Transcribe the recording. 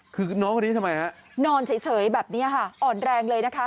คือน้องคนนี้ทำไมฮะนอนเฉยแบบนี้ค่ะอ่อนแรงเลยนะคะ